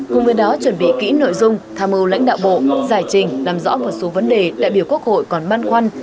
cùng với đó chuẩn bị kỹ nội dung tham mưu lãnh đạo bộ giải trình làm rõ một số vấn đề đại biểu quốc hội còn băn khoăn